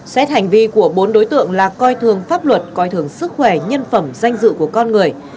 xét hành vi của bốn đối tượng là coi thường pháp luật coi thường sức khỏe nhân phẩm danh dự của con người